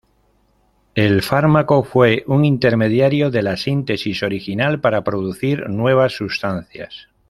El fármaco fue un intermediario de la síntesis original para producir nuevas sustancias.